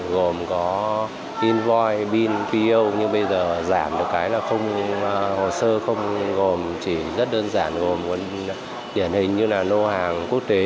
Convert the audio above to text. gồm có invoice bin po nhưng bây giờ giảm được cái là hồ sơ không gồm chỉ rất đơn giản gồm điển hình như là nô hàng quốc tế